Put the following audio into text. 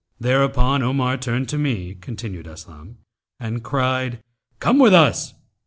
Thereupon Omar turned to me (continned Aslam) and cried, 'Come with us!'